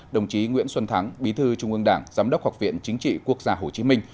đồng chí nguyễn xuân thắng bí thư trung ương đảng giám đốc học viện chính trị quốc gia hồ chí minh